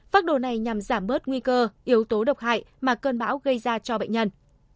phác đồ này nhằm giảm bớt nguy cơ yếu tố độc hại mà cơn bão gây ra cho bệnh nhân